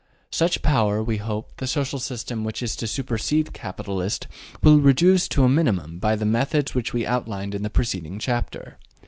Such power, we hope, the social system which is to supersede capitalist will reduce to a minimum by the methods which we outlined in the preceding chapter.